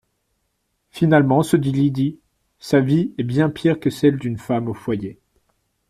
Finalement, se dit Lydie, sa vie est bien pire que celle d’une femme au foyer